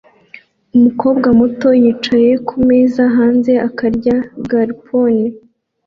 Umukobwa muto yicaye kumeza hanze akarya garpon